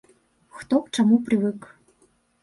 Хто к чаму прывык.